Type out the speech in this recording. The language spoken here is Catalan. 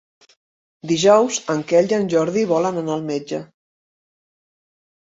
Dijous en Quel i en Jordi volen anar al metge.